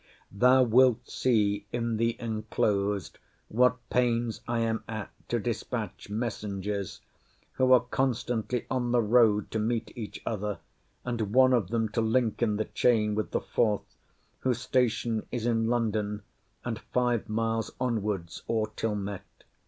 Thou wilt see in the enclosed what pains I am at to dispatch messengers; who are constantly on the road to meet each other, and one of them to link in the chain with the fourth, whose station is in London, and five miles onwards, or till met.